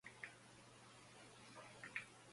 Fish, Nightshade, y Spear.